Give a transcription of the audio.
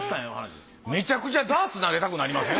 めちゃくちゃダーツ投げたくなりません？